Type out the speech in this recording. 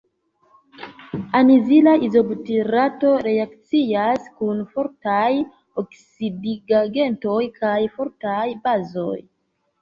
Anizila izobutirato reakcias kun fortaj oksidigagentoj kaj fortaj bazoj.